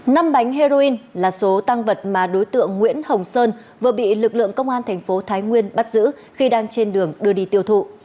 năm bánh heroin là số tăng vật mà đối tượng nguyễn hồng sơn vừa bị lực lượng công an thành phố thái nguyên bắt giữ khi đang trên đường đưa đi tiêu thụ